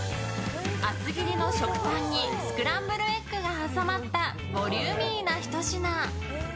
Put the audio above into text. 厚切りの食パンにスクランブルエッグが挟まったボリューミーなひと品。